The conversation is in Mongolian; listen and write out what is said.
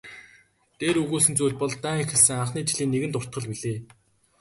Дээр өгүүлсэн зүйл бол дайн эхэлсэн анхны жилийн нэгэн дуртгал билээ.